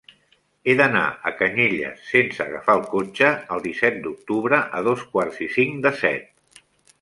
He d'anar a Canyelles sense agafar el cotxe el disset d'octubre a dos quarts i cinc de set.